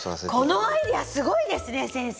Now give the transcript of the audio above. このアイデアすごいですね先生。